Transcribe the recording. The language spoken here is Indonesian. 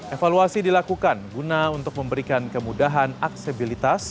evaluasi dilakukan guna untuk memberikan kemudahan aksesibilitas